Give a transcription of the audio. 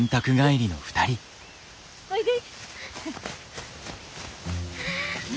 おいで。